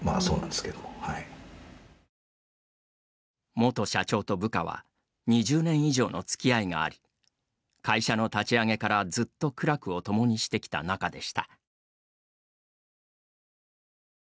元社長と部下は２０年以上のつきあいがあり会社の立ち上げからずっと苦楽を共にしてきた仲でした。